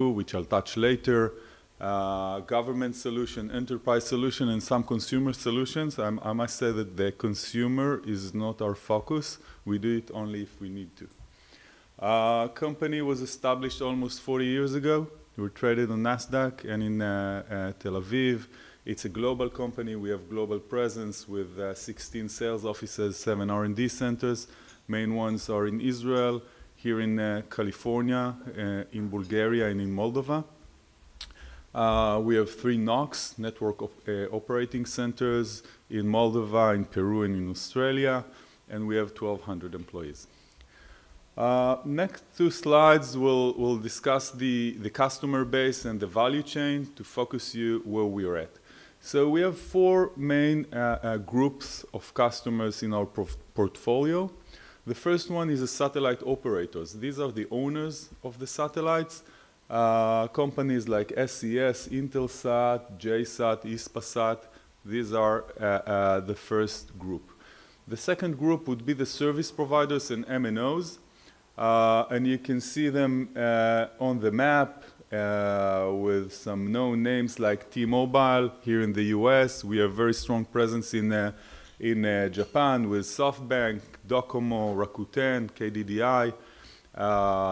Which I'll touch later. Government solution, enterprise solution, and some consumer solutions. I must say that the consumer is not our focus. We do it only if we need to. The company was established almost 40 years ago. We're traded on NASDAQ and in Tel Aviv. It's a global company. We have a global presence with 16 sales offices, seven R&D centers. The main ones are in Israel, here in California, in Bulgaria, and in Moldova. We have three NOCs, Network Operating Centers, in Moldova, in Peru, and in Australia, and we have 1,200 employees. Next two slides, we'll discuss the customer base and the value chain to focus you where we are at. So we have four main groups of customers in our portfolio. The first one is satellite operators. These are the owners of the satellites. Companies like SES, Intelsat, JSAT, Hispasat, these are the first group. The second group would be the service providers and MNOs. You can see them on the map with some known names like T-Mobile here in the U.S. We have a very strong presence in Japan with SoftBank, Docomo, Rakuten, KDDI,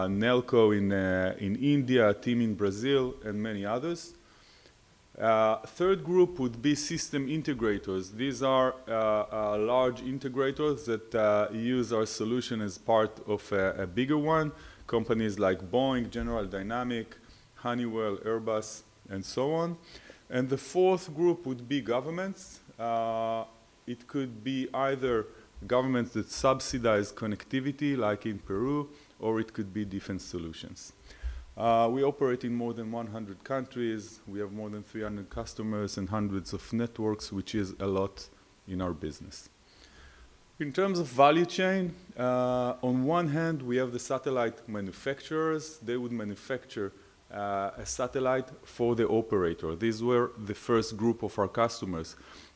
Nelco in India, TIM in Brazil, and many others. The third group would be system integrators. These are large integrators that use our solution as part of a bigger one. Companies like Boeing, General Dynamics, Honeywell, Airbus, and so on. The fourth group would be governments. It could be either governments that subsidize connectivity, like in Peru, or it could be defense solutions. We operate in more than 100 countries. We have more than 300 customers and hundreds of networks, which is a lot in our business. In terms of value chain, on one hand, we have the satellite manufacturers. They would manufacture a satellite for the operator. These were the first group of our customers.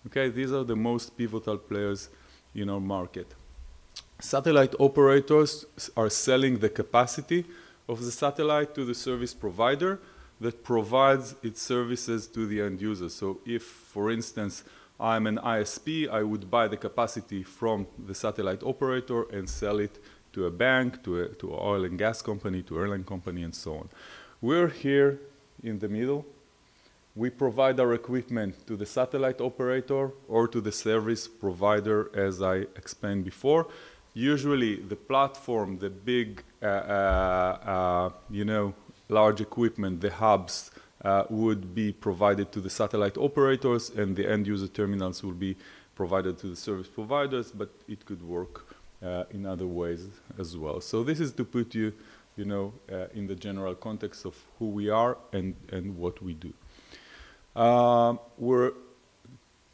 These are the most pivotal players in our market. Satellite operators are selling the capacity of the satellite to the service provider that provides its services to the end user. So if, for instance, I'm an ISP, I would buy the capacity from the satellite operator and sell it to a bank, to an oil and gas company, to an airline company, and so on. We're here in the middle. We provide our equipment to the satellite operator or to the service provider, as I explained before. Usually, the platform, the big large equipment, the hubs, would be provided to the satellite operators, and the end user terminals would be provided to the service providers, but it could work in other ways as well, so this is to put you in the general context of who we are and what we do. We're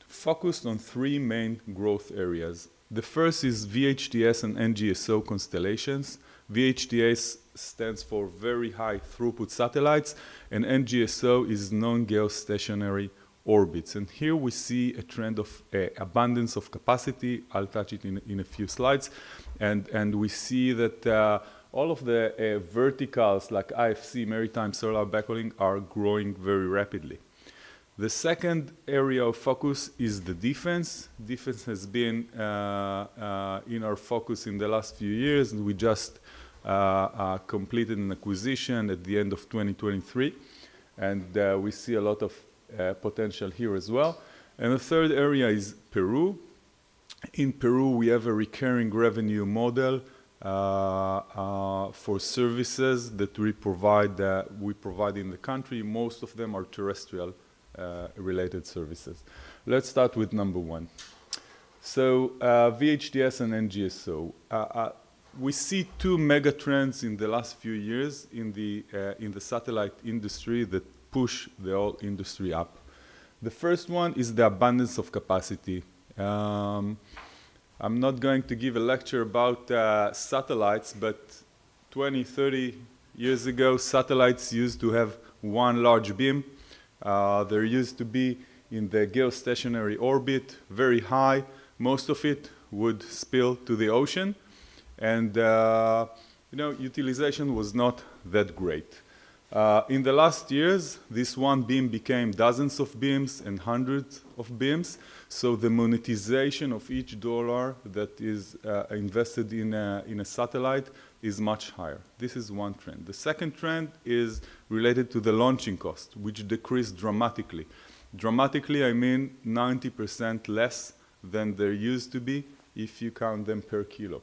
focused on three main growth areas. The first is VHTS and NGSO constellations. VHTS stands for Very High Throughput Satellites, and NGSO is Non-Geostationary Orbits, and here we see a trend of abundance of capacity. I'll touch it in a few slides, and we see that all of the verticals like IFC, maritime, cellular backhaul are growing very rapidly. The second area of focus is the defense. Defense has been in our focus in the last few years. We just completed an acquisition at the end of 2023, and we see a lot of potential here as well, and the third area is Peru. In Peru, we have a recurring revenue model for services that we provide in the country. Most of them are terrestrial-related services. Let's start with number one, so VHTS and NGSO. We see two mega trends in the last few years in the satellite industry that push the whole industry up. The first one is the abundance of capacity. I'm not going to give a lecture about satellites, but 20, 30 years ago, satellites used to have one large beam. They used to be in the geostationary orbit, very high. Most of it would spill to the ocean, and utilization was not that great. In the last years, this one beam became dozens of beams and hundreds of beams. So the monetization of each dollar that is invested in a satellite is much higher. This is one trend. The second trend is related to the launching cost, which decreased dramatically, dramatically. I mean 90% less than there used to be if you count them per kilo,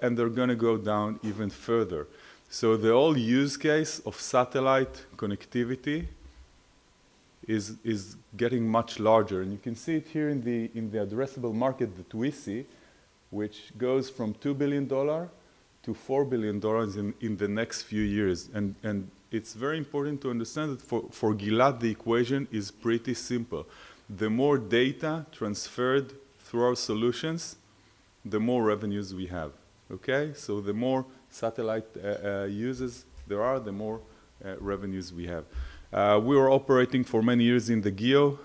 and they're going to go down even further. So the whole use case of satellite connectivity is getting much larger. And you can see it here in the addressable market that we see, which goes from $2 billion-$4 billion in the next few years. And it's very important to understand that for Gilat, the equation is pretty simple. The more data transferred through our solutions, the more revenues we have. So the more satellite users there are, the more revenues we have. We were operating for many years in the GEO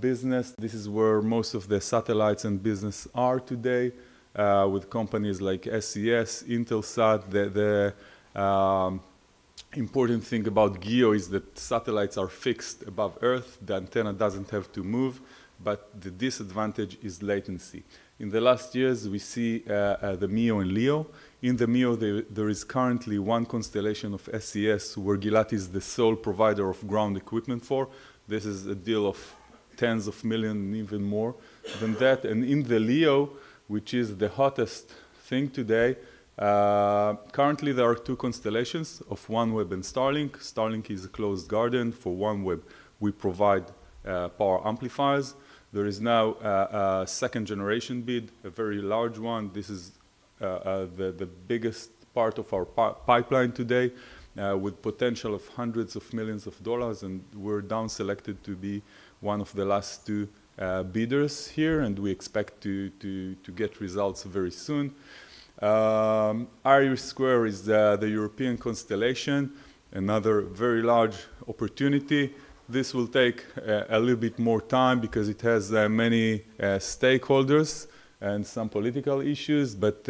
business. This is where most of the satellites and business are today, with companies like SES, Intelsat. The important thing about GEO is that satellites are fixed above Earth. The antenna doesn't have to move, but the disadvantage is latency. In the last years, we see the MEO and LEO. In the MEO, there is currently one constellation of SES, where Gilat is the sole provider of ground equipment for. This is a deal of tens of millions, even more than that. In the LEO, which is the hottest thing today, currently there are two constellations of OneWeb and Starlink. Starlink is a closed garden for OneWeb. We provide power amplifiers. There is now a second-generation bid, a very large one. This is the biggest part of our pipeline today, with potential of hundreds of millions of dollars. We're down-selected to be one of the last two bidders here, and we expect to get results very soon. IRIS² is the European constellation, another very large opportunity. This will take a little bit more time because it has many stakeholders and some political issues, but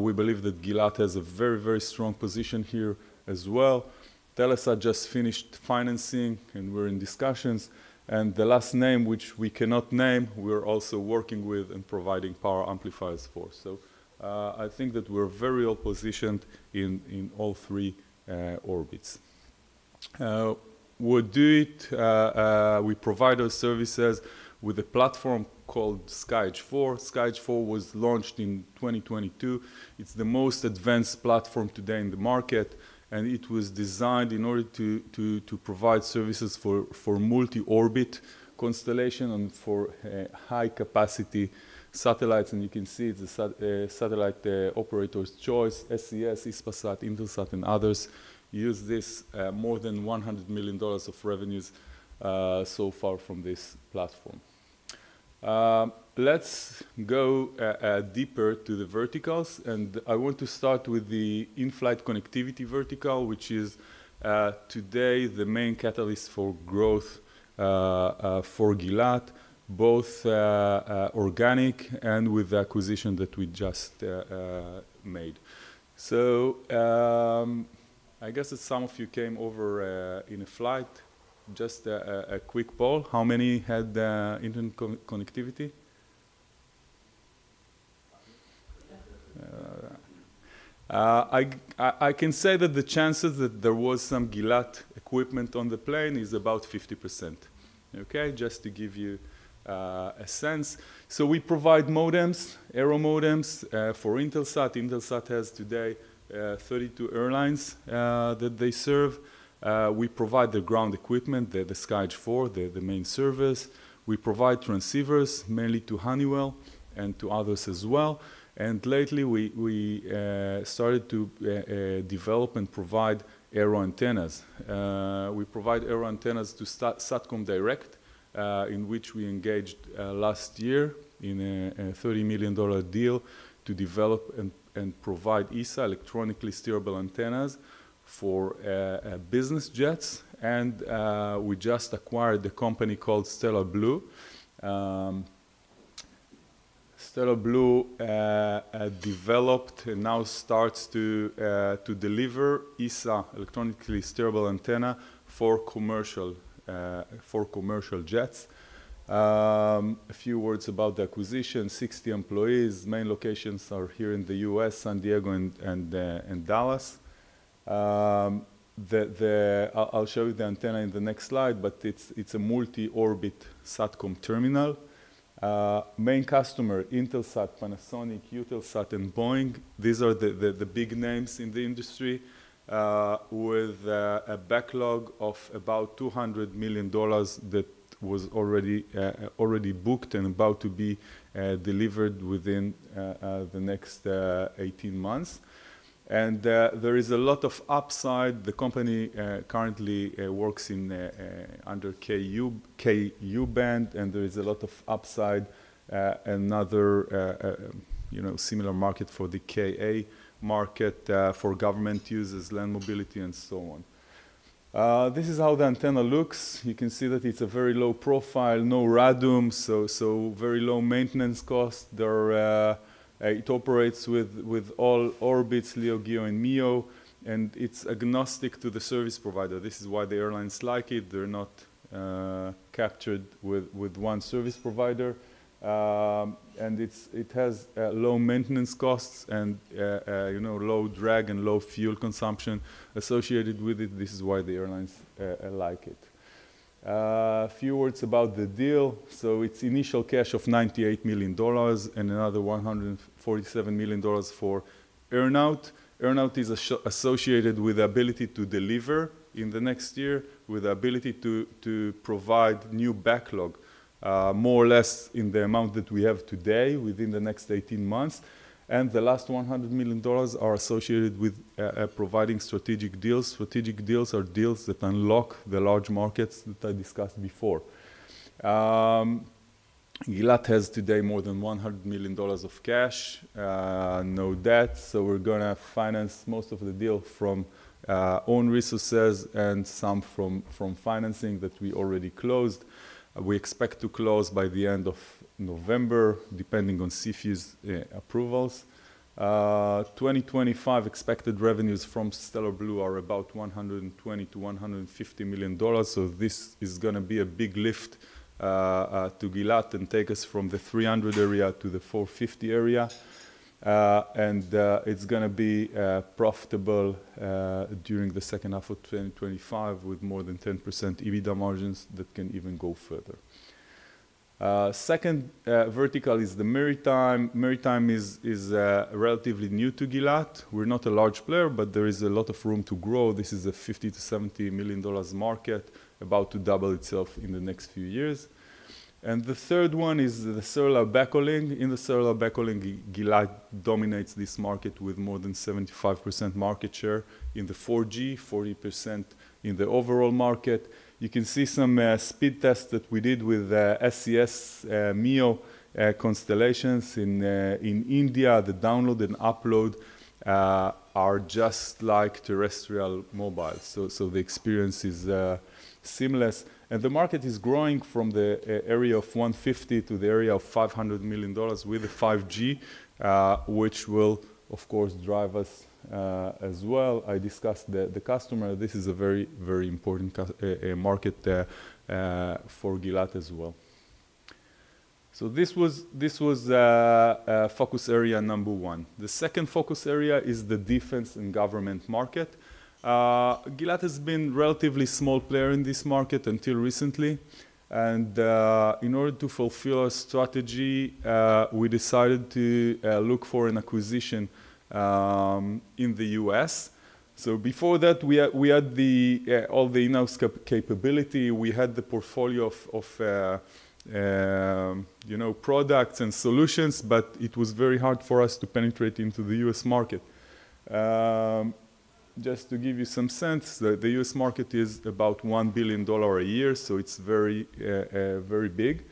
we believe that Gilat has a very, very strong position here as well. Telesat just finished financing, and we're in discussions and the last name, which we cannot name, we're also working with and providing power amplifiers for, so I think that we're very well positioned in all three orbits. We provide our services with a platform called SkyEdge IV. SkyEdge IV was launched in 2022. It's the most advanced platform today in the market, and it was designed in order to provide services for multi-orbit constellation and for high-capacity satellites, and you can see it's a satellite operator's choice. SES, Hispasat, Intelsat, and others use this. More than $100 million of revenues so far from this platform. Let's go deeper to the verticals, and I want to start with the in-flight connectivity vertical, which is today the main catalyst for growth for Gilat, both organic and with the acquisition that we just made. I guess that some of you came over in a flight, just a quick poll. How many had internet connectivity? I can say that the chances that there was some Gilat equipment on the plane is about 50%, just to give you a sense. We provide modems, aero modems for Intelsat. Intelsat has today 32 airlines that they serve. We provide the ground equipment, the SkyEdge IV, the main service. We provide transceivers, mainly to Honeywell and to others as well. And lately, we started to develop and provide aero antennas. We provide aero antennas to Satcom Direct, in which we engaged last year in a $30 million deal to develop and provide ESA, electronically steerable antennas for business jets. And we just acquired a company called Stellar Blu. Stellar Blu developed and now starts to deliver ESA, electronically steerable antenna, for commercial jets. A few words about the acquisition: 60 employees. Main locations are here in the U.S., San Diego, and Dallas. I'll show you the antenna in the next slide, but it's a multi-orbit Satcom terminal. Main customer: Intelsat, Panasonic, Eutelsat, and Boeing. These are the big names in the industry, with a backlog of about $200 million that was already booked and about to be delivered within the next 18 months. And there is a lot of upside. The company currently works under Ku-band, and there is a lot of upside, another similar market for the Ka-band market for government users, land mobility, and so on. This is how the antenna looks. You can see that it's a very low profile, no radome, so very low maintenance cost. It operates with all orbits, LEO, GEO, and MEO, and it's agnostic to the service provider. This is why the airlines like it. They're not captured with one service provider. And it has low maintenance costs and low drag and low fuel consumption associated with it. This is why the airlines like it. A few words about the deal. So it's initial cash of $98 million and another $147 million for earnout. Earnout is associated with the ability to deliver in the next year, with the ability to provide new backlog, more or less in the amount that we have today, within the next 18 months. And the last $100 million are associated with providing strategic deals. Strategic deals are deals that unlock the large markets that I discussed before. Gilat has today more than $100 million of cash, no debt. So we're going to finance most of the deal from own resources and some from financing that we already closed. We expect to close by the end of November, depending on CFIUS's approvals. 2025 expected revenues from Stellar Blu are about $120-$150 million. So this is going to be a big lift to Gilat and take us from the 300 area to the 450 area. And it's going to be profitable during the second half of 2025, with more than 10% EBITDA margins that can even go further. Second vertical is the maritime. Maritime is relatively new to Gilat. We're not a large player, but there is a lot of room to grow. This is a $50-$70 million market, about to double itself in the next few years. And the third one is the Cellular Backhaul. In the Cellular Backhaul, Gilat dominates this market with more than 75% market share in the 4G, 40% in the overall market. You can see some speed tests that we did with SES, MEO constellations in India. The download and upload are just like terrestrial mobile. So the experience is seamless. And the market is growing from the area of $150 to the area of $500 million with the 5G, which will, of course, drive us as well. I discussed the customer. This is a very, very important market for Gilat as well. So this was focus area number one. The second focus area is the defense and government market. Gilat has been a relatively small player in this market until recently. And in order to fulfill our strategy, we decided to look for an acquisition in the US. So before that, we had all the in-house capability. We had the portfolio of products and solutions, but it was very hard for us to penetrate into the US market. Just to give you some sense, the US market is about $1 billion a year, so it's very big.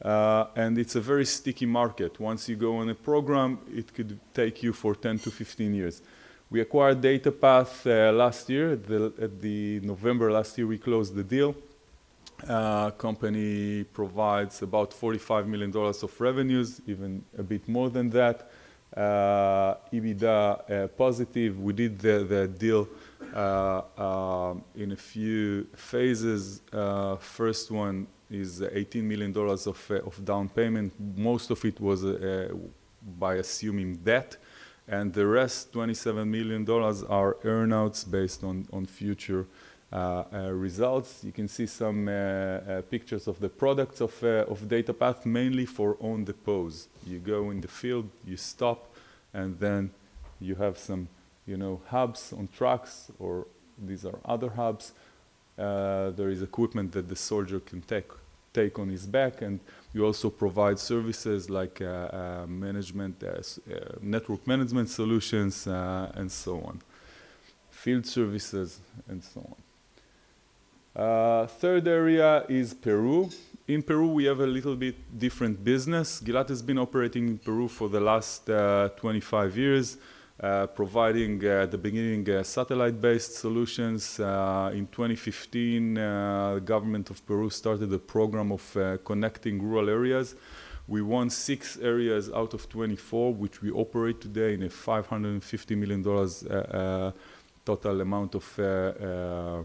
And it's a very sticky market. Once you go on a program, it could take you for 10-15 years. We acquired DataPath last year. In November last year, we closed the deal. Company provides about $45 million of revenues, even a bit more than that. EBITDA positive. We did the deal in a few phases. First one is $18 million of down payment. Most of it was by assuming debt. And the rest, $27 million, are earnouts based on future results. You can see some pictures of the products of DataPath, mainly for Comms-on-the-Pause. You go in the field, you stop, and then you have some hubs on trucks, or these are other hubs. There is equipment that the soldier can take on his back. You also provide services like network management solutions and so on, field services, and so on. Third area is Peru. In Peru, we have a little bit different business. Gilat has been operating in Peru for the last 25 years, providing the beginning satellite-based solutions. In 2015, the government of Peru started a program of connecting rural areas. We won six areas out of 24, which we operate today in a $550 million total amount of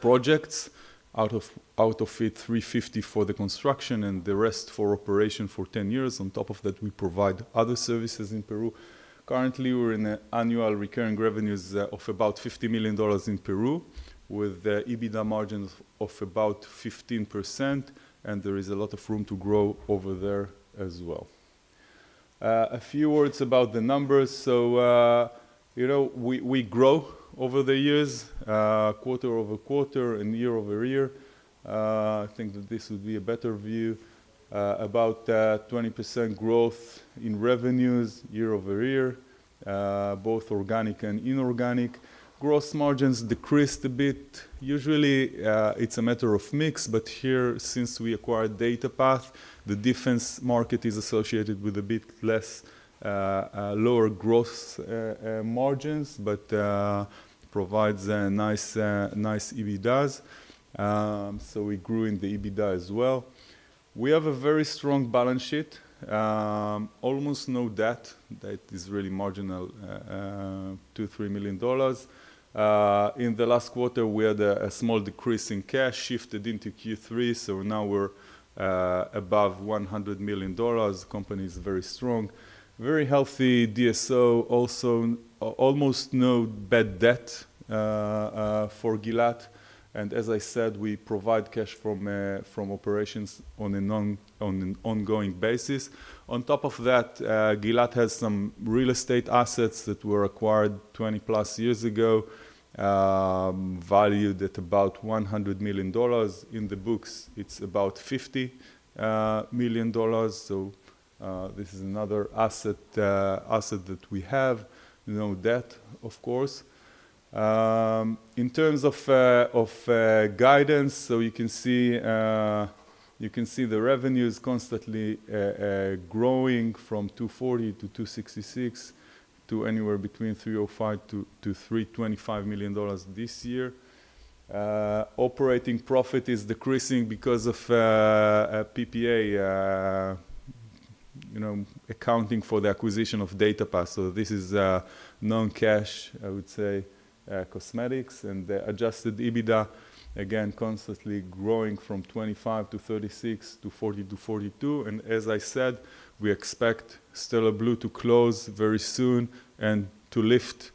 projects. Out of it, $350 million for the construction and the rest for operation for 10 years. On top of that, we provide other services in Peru. Currently, we're in annual recurring revenues of about $50 million in Peru, with EBITDA margins of about 15%. There is a lot of room to grow over there as well. A few words about the numbers. So we grow over the years, quarter over quarter, and year over year. I think that this would be a better view, about 20% growth in revenues year over year, both organic and inorganic. Gross margins decreased a bit. Usually, it's a matter of mix. But here, since we acquired DataPath, the defense market is associated with a bit less lower gross margins, but provides nice EBITDAs. So we grew in the EBITDA as well. We have a very strong balance sheet, almost no debt. That is really marginal, $2-$3 million. In the last quarter, we had a small decrease in cash, shifted into Q3. So now we're above $100 million. Company is very strong, very healthy DSO, also almost no bad debt for Gilat. And as I said, we provide cash from operations on an ongoing basis. On top of that, Gilat has some real estate assets that were acquired 20 plus years ago, valued at about $100 million. In the books, it's about $50 million. So this is another asset that we have, no debt, of course. In terms of guidance, so you can see the revenue is constantly growing from $240-$266 to anywhere between $305-$325 million this year. Operating profit is decreasing because of PPA accounting for the acquisition of DataPath. So this is non-cash, I would say, cosmetics. And the adjusted EBITDA, again, constantly growing from $25-$36 to $40-$42. And as I said, we expect Stellar Blu to close very soon and to lift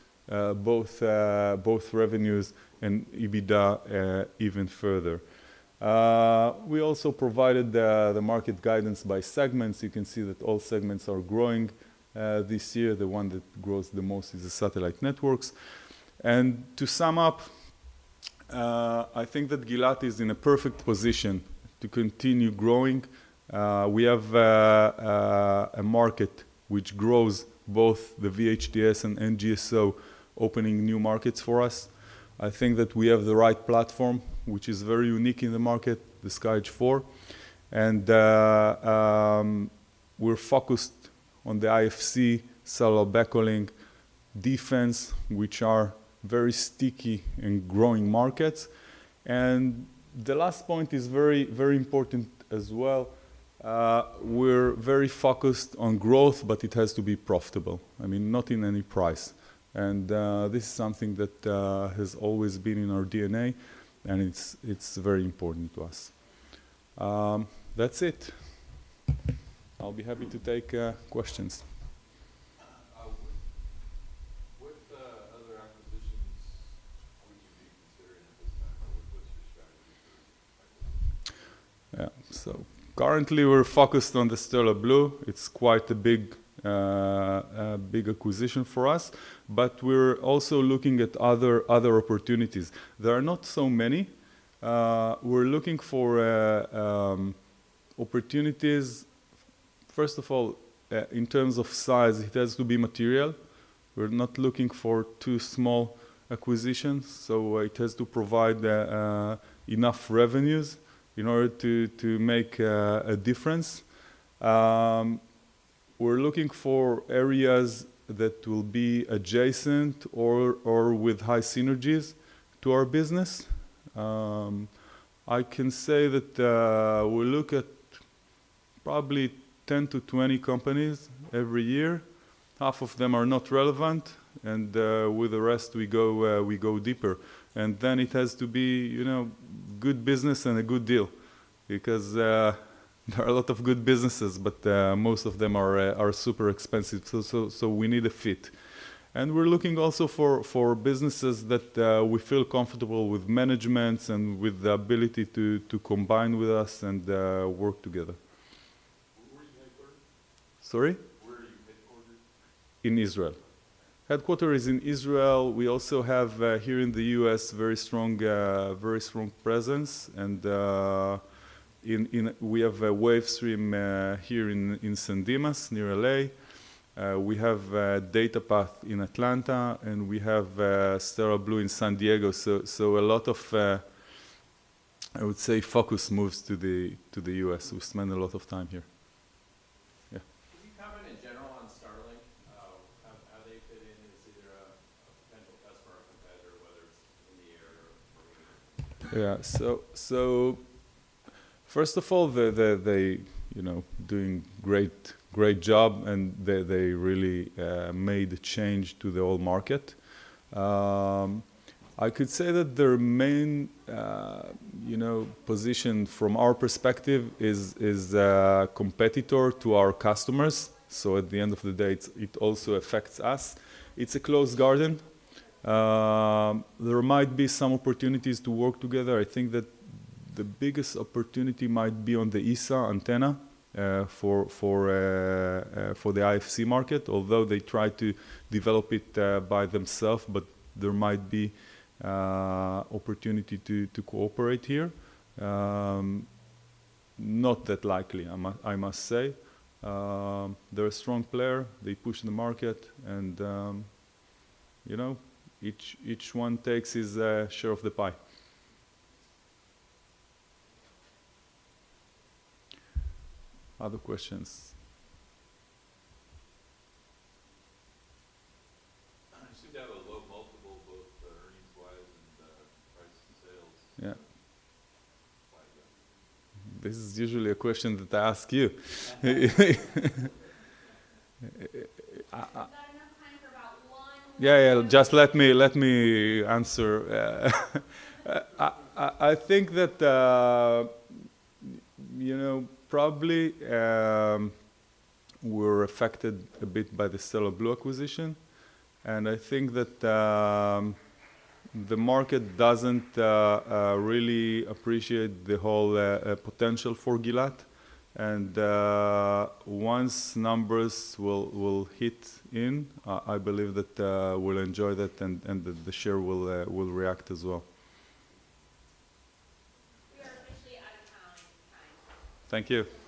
both revenues and EBITDA even further. We also provided the market guidance by segments. You can see that all segments are growing this year. The one that grows the most is the satellite networks, and to sum up, I think that Gilat is in a perfect position to continue growing. We have a market which grows both the VHTS and NGSO, opening new markets for us. I think that we have the right platform, which is very unique in the market, the SkyEdge IV, and we're focused on the IFC, cellular backhaul, defense, which are very sticky and growing markets. The last point is very important as well. We're very focused on growth, but it has to be profitable, I mean, not in any price. This is something that has always been in our DNA, and it's very important to us. That's it. I'll be happy to take questions. With the other acquisitions, which are you considering at this time? What's your strategy for? So currently, we're focused on the Stellar Blu. It's quite a big acquisition for us. But we're also looking at other opportunities. There are not so many. We're looking for opportunities, first of all, in terms of size. It has to be material. We're not looking for too small acquisitions. So, it has to provide enough revenues in order to make a difference. We're looking for areas that will be adjacent or with high synergies to our business. I can say that we look at probably 10 to 20 companies every year. Half of them are not relevant. And with the rest, we go deeper. And then it has to be good business and a good deal because there are a lot of good businesses, but most of them are super expensive. So, we need a fit. We're looking also for businesses that we feel comfortable with management and with the ability to combine with us and work together. Where are you headquartered? Sorry? Where are you headquartered? In Israel. Headquarters is in Israel. We also have here in the US very strong presence. We have a Wavestream here in San Dimas, near LA. We have DataPath in Atlanta, and we have Stellar Blu in San Diego. So a lot of, I would say, focus moves to the US. We spend a lot of time here. Yeah. Can you comment in general on Starlink? How they fit in as either a potential customer or competitor, whether it's in the area or? Yeah. First of all, they're doing a great job, and they really made a change to the whole market. I could say that their main position, from our perspective, is a competitor to our customers. So at the end of the day, it also affects us. It's a closed garden. There might be some opportunities to work together. I think that the biggest opportunity might be on the ESA antenna for the IFC market, although they try to develop it by themselves. But there might be an opportunity to cooperate here. Not that likely, I must say. They're a strong player. They push the market. And each one takes his share of the pie. Other questions? I assume they have a low multiple, both earnings-wise and price sales. Yeah. This is usually a question that I ask you. We've got enough time for about one. Yeah, yeah. Just let me answer. I think that probably we're affected a bit by the Stellar Blu acquisition. I think that the market doesn't really appreciate the whole potential for Gilat. Once numbers will hit in, I believe that we'll enjoy that and that the share will react as well. We are officially out of time. Thank you. Thank you so much.